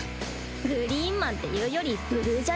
グリーンマンっていうよりブルーじゃね？